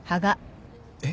えっ？